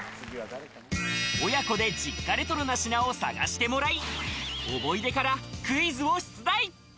親子で実家レトロな品を探してもらい思い出からクイズを出題。